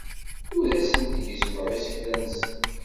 Ur asent-gezzmeɣ isekla-nsen.